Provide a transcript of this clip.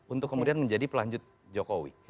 untuk kemudian menjadi pelanjut jokowi